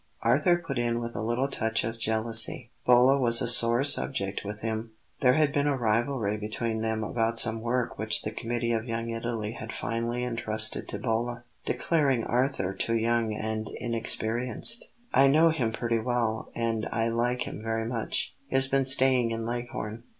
Arthur put in with a little touch of jealousy. Bolla was a sore subject with him; there had been a rivalry between them about some work which the committee of Young Italy had finally intrusted to Bolla, declaring Arthur too young and inexperienced. "I know him pretty well; and I like him very much. He has been staying in Leghorn."